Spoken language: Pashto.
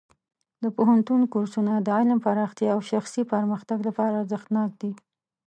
د پوهنتون کورسونه د علم پراختیا او شخصي پرمختګ لپاره ارزښتناک دي.